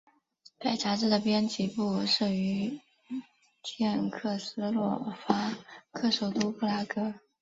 该杂志的编辑部设于捷克斯洛伐克首都布拉格。